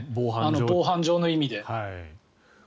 防犯上の意味で。